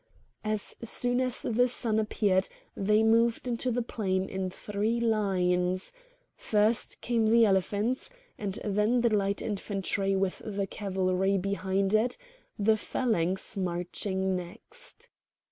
As soon as the sun appeared they moved into the plain in three lines—first came the elephants, and then the light infantry with the cavalry behind it, the phalanx marching next.